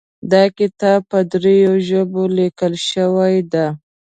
دا کتاب په دریو ژبو لیکل شوی ده